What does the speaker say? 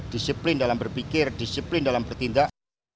disiplin dalam berpikir disiplin dalam bertindak